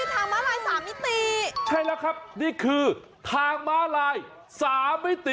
ทางม้าลายสามมิติใช่แล้วครับนี่คือทางม้าลายสามมิติ